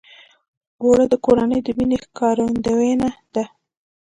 اوړه د کورنۍ د مینې ښکارندویي ده